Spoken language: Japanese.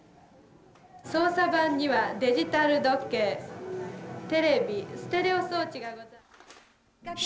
操作盤にはデジタル時計、テレビ、ステレオ装置がございます。